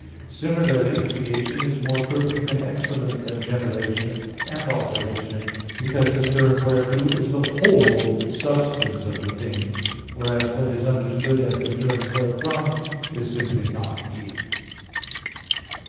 Similarly creation is more perfect and excellent than generation and alteration, because the term whereto is the whole substance of the thing; whereas what is understood as the term wherefrom is simply not being.